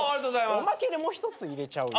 おまけにもう１つ入れちゃうよ。